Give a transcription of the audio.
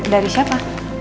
ini dari siapa